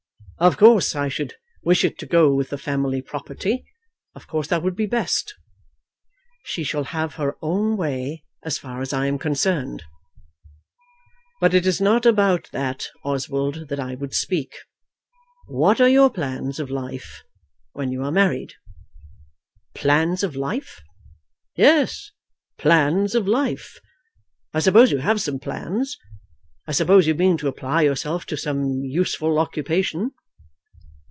"Of course I should wish it to go with the family property. Of course that would be best." "She shall have her own way, as far as I am concerned." "But it is not about that, Oswald, that I would speak. What are your plans of life when you are married?" "Plans of life?" "Yes; plans of life. I suppose you have some plans. I suppose you mean to apply yourself to some useful occupation?"